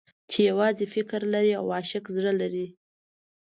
چې يوازې فکر لري او عاشق زړه لري.